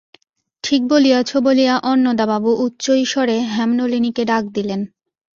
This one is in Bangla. ঠিক বলিয়াছ বলিয়া অন্নদাবাবু উচ্চৈঃস্বরে হেমনলিনীকে ডাক দিলেন।